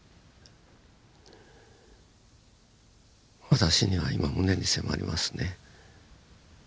私には今胸に迫りますね。